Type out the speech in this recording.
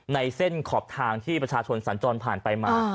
ในเส้นขอบทางที่ประชาชนสัญจรผ่านไปมา